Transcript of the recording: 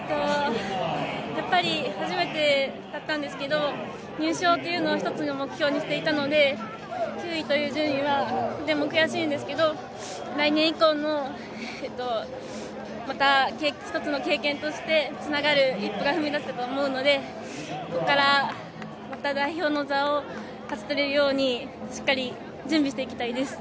やっぱり初めてだったんですけど、入賞というのを１つの目標としていたんですけど９位という順位はとても悔しいんですけど、来年以降のまた一つの経験としてつながる一歩が踏み出せたと思うのでここからまた代表の座を勝ち取れるようにしっかり準備していきたいです。